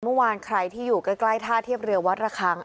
เมื่อวานใครที่อยู่ใกล้ท่าเทียบเรือวัดระคัง